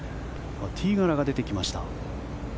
ティーガラが出てきました。